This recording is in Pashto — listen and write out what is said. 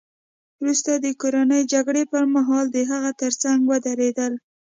وروسته د کورنۍ جګړې پرمهال د هغه ترڅنګ ودرېدل